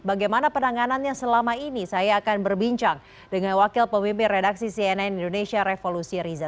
bagaimana penanganannya selama ini saya akan berbincang dengan wakil pemimpin redaksi cnn indonesia revolusi riza